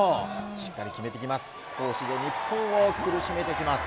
しっかり決めてきます。